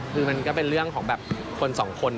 คือมันก็เป็นเรื่องของแบบคนสองคน